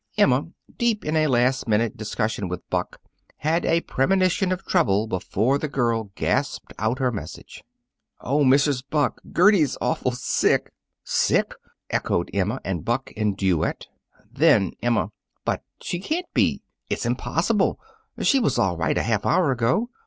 Emma, deep in a last minute discussion with Buck, had a premonition of trouble before the girl gasped out her message. "Oh, Mrs. Buck, Gertie's awful sick!" "Sick!" echoed Emma and Buck, in duet. Then Emma: "But she can't be! It's impossible! She was all right a half hour ago."